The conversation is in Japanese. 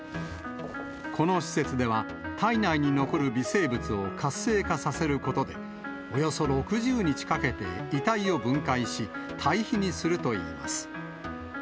この施設では、体内に残る微生物を活性化させることで、およそ６０日かけて遺体を分解し、堆肥にするといいます。